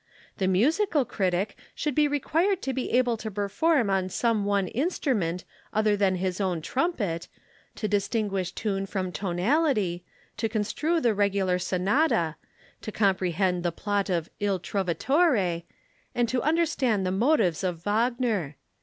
The musical critic should be required to be able to perform on some one instrument other than his own trumpet, to distinguish tune from tonality, to construe the regular sonata, to comprehend the plot of Il Trovatore, and to understand the motives of Wagner.